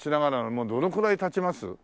もうどのくらい経ちます？